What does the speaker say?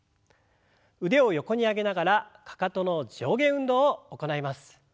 腕を横に上げながらかかとの上下運動を行います。